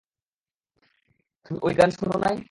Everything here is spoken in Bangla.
তুমি ওই গান শুনোনাই?